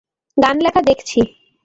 গান লেখা দেখছি।